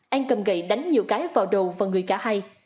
an cầm gậy đánh nhiều cái vào đầu và người cả hai